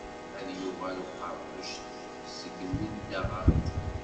Ad d-yuɣal uqeṛquc seg imi n taɣaṭ.